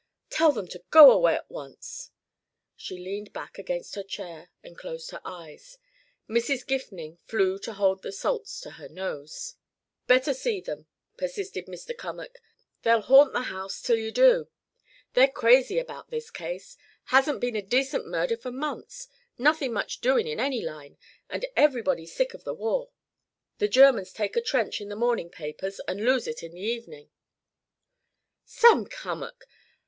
"Tell them to go away at once." She leaned back against her chair and closed her eyes. Mrs. Gifning flew to hold the salts to her nose. "Better see them," persisted Mr. Cummack. "They'll haunt the house till you do. They're crazy about this case hasn't been a decent murder for months, nothin' much doin' in any line, and everybody sick of the war. The Germans take a trench in the morning papers and lose it in the evening " "Sam Cummack!